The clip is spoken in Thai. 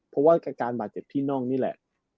เพราะว่าการบาดเจ็บที่น่องนี่แหละ